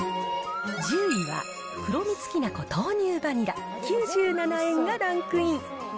１０位は、黒みつきなこ豆乳バニラ９７円がランクイン。